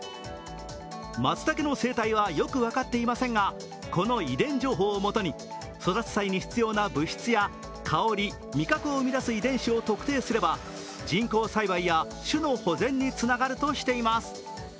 まつたけの生態はよく分かっていませんがこの遺伝情報をもとに育つ際に必要な物質や香り、味覚を生み出す遺伝子を特定すれば人工栽培や、種の保全につながるとしています。